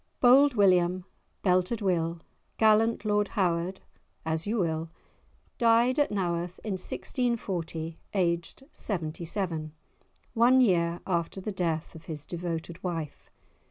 Bold William, Belted Will, gallant Lord Howard, as you will, died at Naworth in 1640 aged seventy seven, one year after the death of his devoted wife.